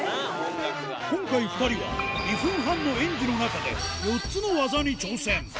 今回２人は、２分半の演技の中で４つの技に挑戦。